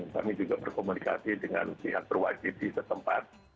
kami juga berkomunikasi dengan pihak berwajib di setempat